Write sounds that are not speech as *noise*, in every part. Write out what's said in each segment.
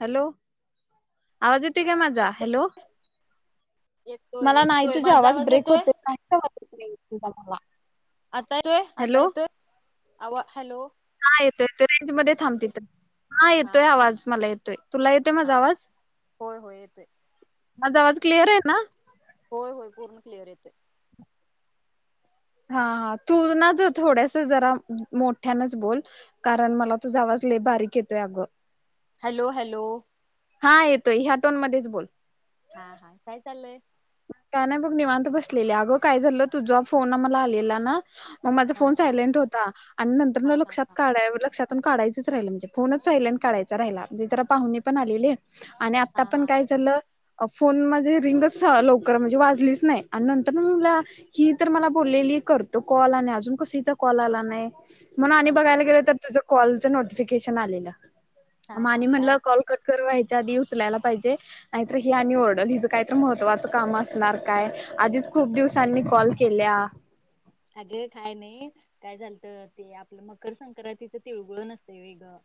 Hello आवाज का माझा हॅलो येतोय मला नाही येतोय तुझा माझा आवाज ब्रेक येतोय होते का वा आता येतोय आता येतोय आ हॅलो येतो रेंज मध्ये थांबते हा येतोय आवाज मला येतोय तुला येतोय हा माझा आवाज होय होय येतोय माझा आवाज क्लिअर आहे ना होय होय पूर्ण क्लिअर येते हा हा तू ना तर थोड्यास जरा मोठ्यानच बोल कारण मला तुझावाज ले बारीक येतोय अगं हॅलो हॅलो हा येतोय ह्या टोन मध्येच बोल हा हा काय चाललय काय नाही बघ निवांत बसलेले अगं काय झालं तुझा फोन मला आलेला ना मग माझा हा फोन हा सायलेट होता आणि नंतर हा हा लक्षात हा काढा लक्षात काढायच राहिलं म्हणजे फोनच सायलेट काढय राहिलाणे तर पाहुणी पण आले आहे आणि आता हा पण हा काय हा झालं फोन म्हणजे रिंगच लवकर म्हणजे वाजलीच नाही आणि नंतर म मुला ही तर मला बोललेली करतो कॉल आणि अजून कसचा कॉल आला नाही म्हणून आ आणि हा बघायला गेलं तर तुझ कॉल नफिकेशन आ हा हा माने काय म्हणला कॉल कट कवायच आ उचलायला पाहिजे नाही हे ल मह असणार काय आधीच खूप दिवसांनी कॉल केल्या अगे काय नाही काय झालत ते आपलं मकर संक्रांतीचं तिळगुळ नसत वेगळं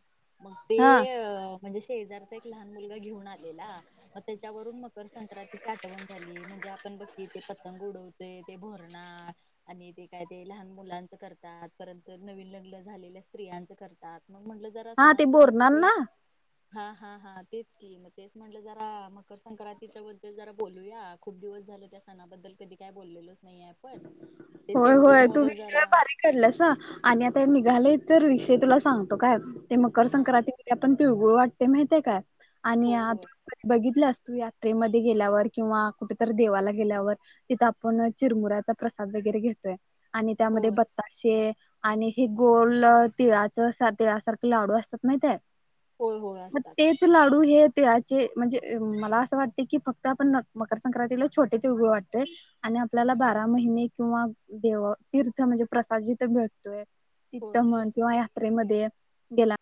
मग ते हा अ म्हणजे शेजार एक लहान मुलगा घेऊन आलेला मग त्याच्यावरून मकर संक्रांतीची आठवण झाली म्हणजे आपण बघ ते पतंग उडवते ते भरणा आणि ते काय ते लहान मुलांचं करतात परंत नवीन लग्न झालेल्या स्त्रियांचं करतात मग म्हंटलं जरा असं हा ना ते तुझी बोलणार तु ना हा हा हा तेच की मग तेच म्हटलं जरा मकर संक्रांतीच्या बद्दल जरा बोलूया खूप दिवस झालं त्या सणाबद्दल कधी काय बोललेल नाही आहे पण होय होय तू विषय बारीक काढलास ना आणि आता निा आले तर विषय तुला सांगतो काय ते मकर हा संक्रांतीमध्ये आपण तिळगुळ वाटते माहितय का? आणि होय आत होय बघितल्यास? तू यात्रेमध्ये गेल्यावर किंवा कुठेतरी देवाला गेल्यावर तिथं आपण चिरमुरात प्रसाद वगैरे घेतोय. आणि त्यामध्ये होय बताशे आणि हे गोल तिळाच तिळासारखे लाडू असतात माहित आहे. होय होय म असतात तेच लाडू हे तिळाचे म्हणजे मला अस वाटत की फक्त मकर संक्रांतीला छोटे तिळगुळ वाटतोय आणि आप बारा महिने किंवा देव तीर्थ म्हणजे प्रसाद जिथे भेटतोय तिथ होय म्हण किंवा ह्या. यात्रे मध्ये गेला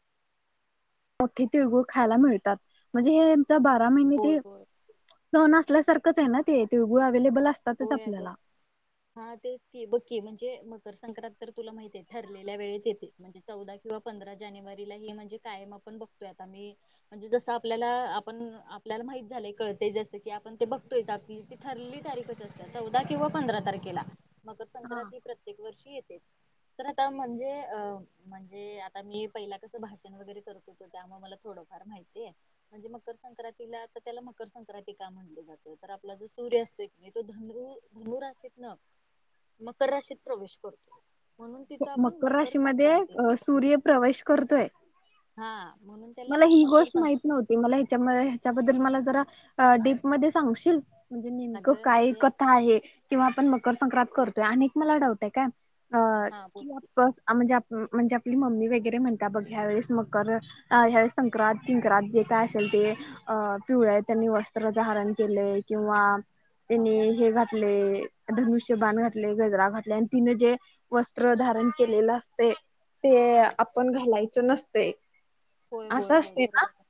मोठी तिळगूळ खायला मिळतात म्हणजे हे. बारा महिने होय ते. होय सन असल्यासारखंच आहे ना ते तिळगुळ. अवेलेबल असतातच होय अगं आपल्याला. हा तेच की बघकी म्हणजे मकर संक्रांत तर तुला माहित आहे, ठरलेल्या वेळेत येते म्हणजे चौदा किंवा पंधरा, जानेवारीला हे म्हणजे, कायम आपण बघतोय आता मी म्हणजे जसं आपल्याला आपण आपल्याला माहित झालय कळतंय जसे की, आपण ते बघतोय की आता ठरलेली तारीख असतं. चौदा किंवा पंधरा तारखेला. मकर संक्रांती प्रत्येक वर्षी येते. तर आता म्हणजे अ म्हणजे आता मी पहिला कस भाषण वगैरे करत होतो, त्यामुळे मला थोडंफार माहितीय म्हणजे मकर संक्रांतीला त्याला मकर संक्रांती का म्हणली जाते, तर आपला जो सूर्य असतोय. तो धनु धनुराशीत ना मकर राशीत प्रवेश करतो. म्हणून तिथं आपण मकर राशी संक्रांती मध्ये सूर्य प्रवेश करतोय? हा म्हणून त्याला मला ही मकर गोष्ट माहित संक्रांत नव्हती मला ह्याच्या ह्याच्याबद्दल. त्यात मला जरा डीप मध्ये सांगशील. म्हणजे नेमकं अगं काय म्हणजे कथा आहे, किंवा आपण मग. मकर संक्रत करतोय अनेक मला डाऊट आहे काय. अ हा बोल की *unintelligible* आप म्हणजे म्हणजे आपली मम्मी वगैरे म्हणता बघ ह्या वेळेस मकर. अ ह्यावेळी संक्रात किंक्रात जे काय असेल ते अ पिवळ त्यांनी वस्त्र धारण केलय, किंवा त्यांनी हे घातलेय धनुष्य बाण घातलेय, गजरा घातलेय आणि तिने जे वस्त्र धारण केलेलं असतय. ते हा आपण घालायचं नसत. ते. होय होय होय बरोबर आहे.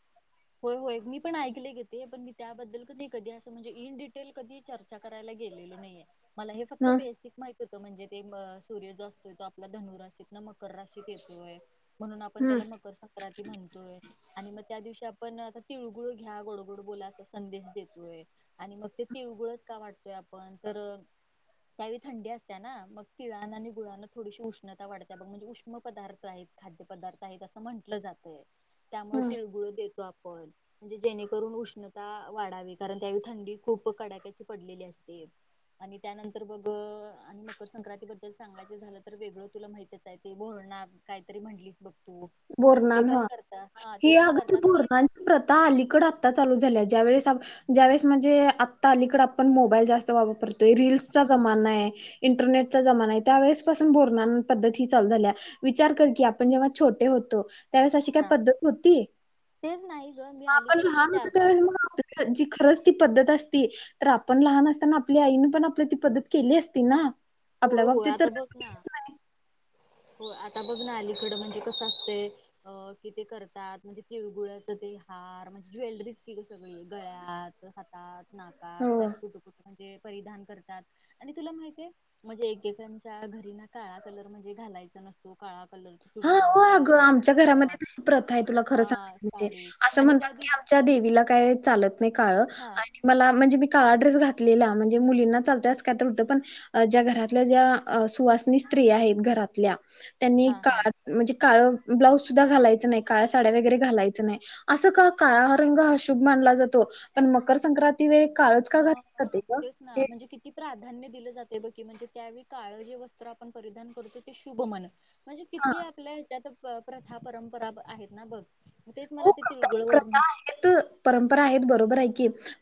होय होय मी पण ऐकले ग ते पण मी त्याबद्दल कधी कधी अस म्हणजे इन डिटेल कधी चर्चा कर म गेलेलो नाही, मला हे फक्त हा बेसिक माहिती. तिथं म्हणजे ते सूर्य जो असतो तो आपला धनु राशीत. मकर राशीत येतोय म्हणून आपण हा त्याला मकर संक्रांत. होय आणि मग त्या दिवशी आपण आता तिळगुळ घ्या गोडगोड बोला अस संदेश देतोय, आणि मग ते तिळगुळच का वाटतोय आपण तर त्यावेळी थंडी असत्या ना मग तिळाना आणि गुळाना थोडीशी उष्णता वाढते, मग म्हणजे उष्म पदार्थ आहेत खाद्य पदार्थ आहेत असं म्हटलं जातं. हो. त्यामुळे हा तिळगुळ देत त आपण म्हणजे जेणेकरून उष्णता वाढावी कारण त्यावेळी थंडी खूप कडाक्याची पडलेली असते, आणि त्यानंतर बघग आणि मकर संक्रांती बद्दल सांगायच झालं तर वेगळं तुला माहच आहे, ते बोल ना कायतरी म्हटलीच बघ. ते. पण *unintelligible* करतात हा ते हे पण अगर करतात ते पोरनाची प्रथा अलीकड आता चालू झा त्या वेळेस ज्या वळेस म्हणजे आता अलीकड आपण मोबाईल जास्त वापरतोय रीलसचा जमाना आहे, इंटरनेटचा जमाना आहे, त्यावेेळेस पासून बोर पद्धती चाल झाल्या विचार कर की आपण जेव्हा छोटे. होतो. त्यावेळेस अशी काही हा पद्धत होती, तेच नाही ग मी आपण अलीकडेच हे लहान होत चार पाच त्यावेळेस मग आप जी खरंच ती पद्धत असती तर आपण लहान असताना आपल्या आईन पण आपली ती पद्धत केली असती ना. हो आपल्या होय बाबतीत तर आता बघ ना हो आता बघ ना अलीकडं म्हणजे कसं असतय अ कि ते करतात म्हणजे तिळगुळच ते हार म्हणजे ज्वेलरी सगळी गळ्यात हातात नाकात हो का कुठं कुठं परिधान करतात आणि तुला माहित आहेय म्हणजे एकेकांच्या घरी ना काळा कलर म्हणजे घालायचा नसतो काळा कलरचा हा चुडीदार हो काळा अग कलरचा आमच्या घरामध्ये टॉप तशी प्रथा आहे. तुला खरं सांगायच हा म्हणजे साडी असं आणि त्या म्हणतात की दिवशी आमच्या देवीला काय चालत नाही का ळ हा आणि मला म्हणजे मी काळा ड्रेस घातलेला. म्हणजे मुलींना चालतय असं कायतर होत. पण घरातल्या ज्या सुवासनी स्त्रीया आहेत. घरातल्या त्यांनी हा हा काळ म्हणजे, काळ ब्लाऊज सुद्धा घालायचं नाही. काळ्या साड्या वगैरे घालायचं नाही. असं का, काळा रंग अशुभ मानला जातो पण मकर संक्रांती वेळी काळच ह का घातलं हा जाते गं? तेच ना हे म्हणजे किती प्रा धान्य दिलं जाते बघ की म्हणजे त्यावेळी काळ जे वस्त्र आपण परिधान करतो ते शुभ म्हण. म्हणजे हां. किती आपल्या ह्याच्यात, प्रथा परंपरा आहेत ना बघ. तेच मला हो ते प्रथा तिळगुळ वरण प्रथा आहेत, परंपरा आहेत बरोबर आहे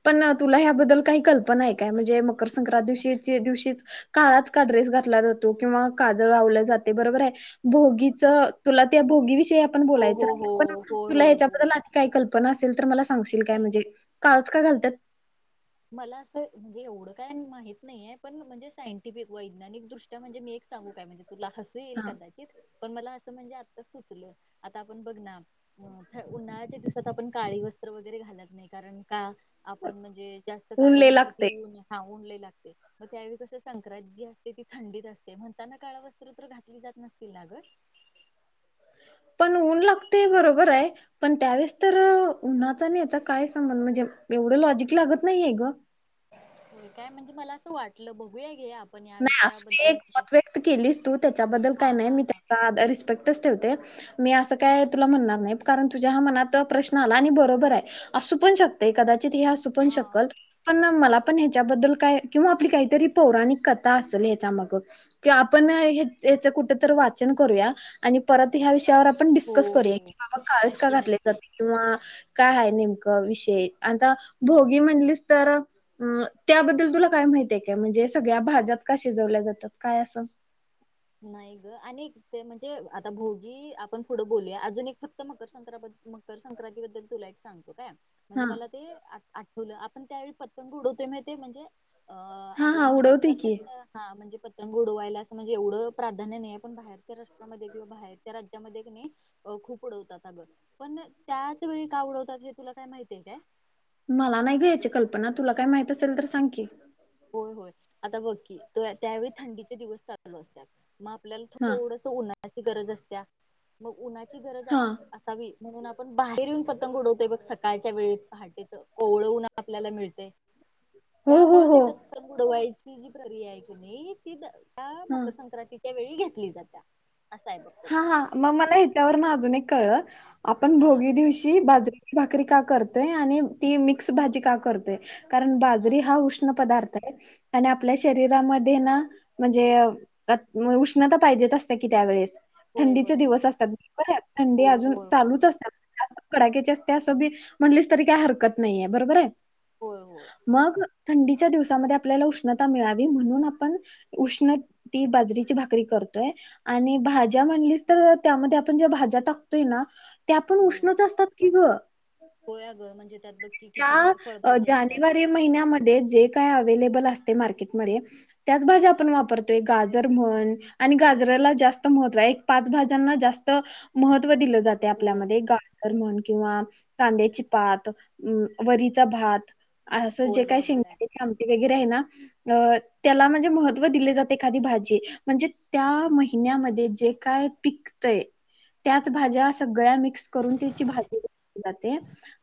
पण तुला ह्या बद्दल काय कल्पना आहे काय म्हणजे मकर संक्रांती दिवशीच काळाच का ड्रेस घातला जातो. काजळ लावलं जाते, बरोबर आहे. भोगीच तुला त्या भोगी दिवशी, ते आपण हो बोलायचं हो राहील. पण हो आपण होय तुला होय बोल ह्याच्याबद्दल आधी काही कल्पना अस ल तर मला सां गशील काय म्हणजे, काळच का घालत्यात? मला असं म्हणजे एवढं काय माहित नाहीे. पण म्हणजे सायंटिफिक व वैज्ञानिक दृष्ट्या म्हणजे मी एक सांगू काय म्हणजे, तुला हसू येईल. हां कदाचित पण मला असं म्हणजे, सुचल आता आपण बघ ना. अ ह उन्हाळ्याचा दिवसांत आपण काळी वस्त्र वगैरे घालत नाही कारण का? आपण म्हणजे, ऊन काळ लय घातली कि लागतंय. उन लई लागते मग त्यावेळी कस संक्रांती जी असते ती थंडीत असते म्हणताना काळ वस्त्र तर घातली जात नसतील ना ग. पण ऊन लागते बरोबर आहे. पण त्यावेळेस तर उन्हाचा आणि ह्याचा काय संबंध म्हणजे एवढ लॉजिक लागत नाहीय ग. काय म्हणजे मला असं वाटलं बघूया घे आप नाही असुदे ते एक मत व्यक्त केलीस तू त्याच्याबद्दल हा काय नाही हा मी हा त्याचा रिस्पेक्टच ठेवते. मी अस काय तुला म्हणणार नाही तुज्या हा मनात हा प्रश्न आला बरोबर आहे असू पण शकतंय कदाचित. नाही असू पण हा शकल पण- मला पण याच्याबद्दल काय किंवा आपली काहीतरी पोरांनी करा - काय असेल याच्या माग आपणच कुठ वाचन करूया आणि परत ह्या विषयावर! हो डिस्कस करूया हो की बाबा काळच काय नक्की घातले नक्की जाते किंवा - काय आहे नेमकं विषय आता भोगी म्हणलीस तर अं त्याबद्दल तुला काय माहिती आहे काय म्हणजे सगळ्या भाज्या! शिजवल्या जातात काय असं- नाही ग आणि ते म्हणजे आता भोगी आपण पुढं बोलूया अजून एक फक्त मकर संक मकर संक्रांती बद्दल तुला एक सांगतो काय. म्हणजे हा मला ते आठ- आठ तुला आपण त्यावेळी पतंग उडवते माहितीय म्हणजे. अ हा आपल्या हा उडवते की महाराष्ट्राच्या हा म्हणजे - पतंग उडवायला अस म्हणजे एवढं! प्राधान्य नाही पण बाहेरच्या राष्ट्रामध्ये किंवा बाहेरच्या राज्यामध्ये नाही खूप उडवतात अगं पण त्याच वेळी का उडवतात हे तुला काय माहिती आहे काय? मला नाही घ्या याची कल्पना तुला काय माहित असेल तर सांग की? होय- होय आता बघकी त्यावेळी थंडीचे दिवस चालू असत्यात. मग आपल्याला हा थोडस उन्हात! आची गरज असत्या! मग उन्हाची गरज हा अस असावी. म्हणून आपण बाहेर येऊन पतंग उडवतोय बघ सकाळच्या वेळी पहाटेचं कोवळवन आपल्याला मिळते. हो हो हो वयाची जी प्रिया आहे की नाही ती - हा मकर संक्रांतीच्या वेळी - ती घेतली! जात्या असं आहे बघ हा त्याच -हा मग मला हच्यावरून अजून एक कळलं. आपण हा भोगी दिवशी बाजरी भाकरी का करतोय? आणि ती मिक्स भाजी का करतेय? कारण बाजरी हा उष्ण पदार्थ आणि आपल्या शरीरामध्ये उष्णता पाहिजे असते की त्या वेळेसम्हणून होय थंडीचे बरोबर दिवस असतात बर थंडी होय अजून होय होय चालूच असते कडाक्याचे असते असं पण म्हणलीस तरी काही हरकत नाही बरोबर आहे? होय होय मग थंडीच्या दिवसामध्ये आपल्याला उष्णता मिळावी म्हणून आपण उष्ण ती बाजरीची भाकरी करतोय आणि भाज एकत्र करतो भाज्या म्हणली तर त्यामध्ये आपण ज्या भाज्या टाकतोय ना त्या पण होय उष्णच असतात की ग होय अगं म्हणजे त्यात बघ की किती भा त्या फळभाजी असतात जानेवारी महिन्यामध्ये जे काय उपलब्ध आहे ज्या भाज्या उपलब्ध असतात त्याच आपण वापरतो जसे की गाजरम्हण एक पाच भाज्यांना जास्त महत्व दिलं जात होय आपल्यामध्ये गाजर म्हण किंवा कांद्याची पात, वरई चा भात असं जे होय काय बरोबर आहे शेंगदाण्याची आमटी म्हणजे एखादी भजी, त्या महिन्या मध्ये जे काय पिकतय त्याच भाज्या सगळ्या एकत्र करून त्याची भाजी केली जाते.,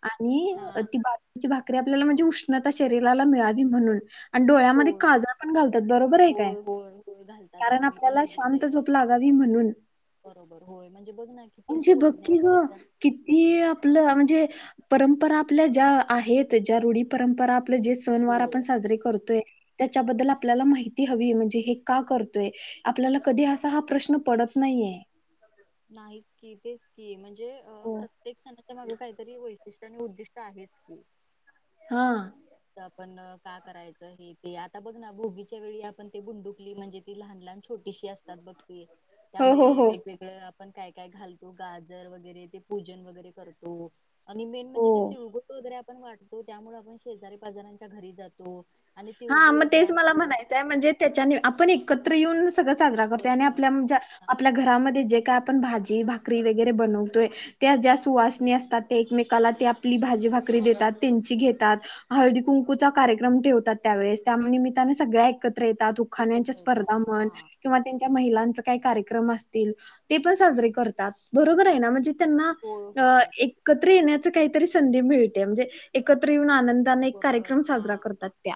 आणि हा ती भाजरी ची भाकरी आपल्याला म्हणजे उष्णता शरीराला मिळावी म्हणून आणि डोळ्यामध्ये होय काजळ पण घालतात. बरोबर आहे का? होय होय होय घालतात कारण अगं मी पण आपल्याला बघितलंय शांत ते झोप लागावी म्हण, बरोबर होय म्हणजे बघ ना किती म्हणजे असं बघ कीं ग वैज्ञानिक किती आपलं म्हणजे परंपरा आपल्या ज्या आहेत ज्या रूढी परंपरा आपलं जे सण वार आपण होय साजरे करतोय त्याच्याबद्दल आपल्याला माहिती हवी म्हणजे हे का करतोय? आपल्याला कधी असा हा प्रश्न पडत नाहीये नाही की तेच की म्हणजे? हो. प्रत्ये काहीतर *inaudible* उद्दिष्ट आहे की हा तर आपण का करायचं हे ते आता बघ ना भोगी च्या वेळी आपण ते बुंडुकली म्हणजे ती लहान-लहान छोटीशी असतात बघ हो हो त्यामध्ये हो वेगवेगळ आपण काय काय घालतो गाजर वगैरे ते पूजन वगैरे करतो आणि मेन म्हणजे ते हो तिळगोट वगैरे आपण वाटतो त्यामुळे आपण शेजारी पाजार्यांन च्या घरी जातो आणि हा तिळगुळ मग तेच घ्या मला गोड म्हणायचंय म्हणजे त्याच्याने आपण एक एकत्र येऊन साजरा बरोबर करतो, हा आपल्या घरामध्ये जे काय आपण भाजी भाकरी वगैरे बनवतोय त्या ज्या सुवासनी असतात त्या एकमेकाला आपली भाजी भाकरी देतात त्यांची घेतात हळदी कुंकूचा कार्यक्रम ठेव त्यावेळेस त्यामुळे मी त्यांना सगळ्या ऐकत खाण्या एकत्र येतात स्पर्धा म्हण हा किंवा त्यांच्या महिलांच काही कार्यक्रम अस ते पण साजरे करतात बरोबर आहे म्हणजे त्यांना होय होय एकत्र ये *inaudible* आनंदाने एक बरोबर कार्यक्रम हा साजरा करतात त्या.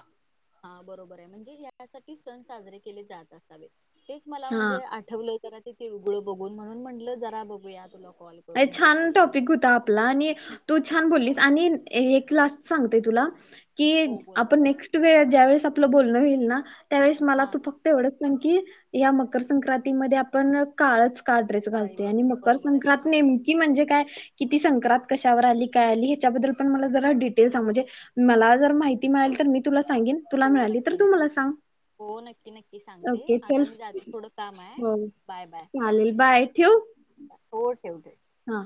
हा बरोबर आहे म्हणजे हसाठी सण साजरे केले जात असावे तेच मला हां. म्हणजे आठवलं तर तिळगुळ बघून म्हणून म्हटलं जरा बघूया तुला कॉल करून हे छान ते. टॉपिक होता आपला आणि तू छान बोललीस आणि एक लास्ट सांगतेय तुला. की हो बोल ना. आपण नेक्स्ट वेळ ज्या वेळेस आपलं बोलणं होईल ना. त्यावेळेस मला हा तू फक्त एवढच. सांग की या मकर संक्रांती मधे आपण काळच. का ड्रेस काळी घालतोय. आणि वस्त्रे मकर बरोबर आहे संक्रांत बरोबर नेमकी म्हणजे काय की ती संक्रांत कशावर आली, काय आली हेच्या बद्दल पण मला डिटेल सांग. म्हणजे मला जर माहिती मिळाली तर मी तुला. सांगेन. तुला हो मिळाली तर नक्की तू नक्की मला सांग हो नक्की नक्की सांगते. ओके चल आता मी जाते थोडं काम आहे हो बाय बाय. चालेल बाय ठेऊ येऊदे. हा.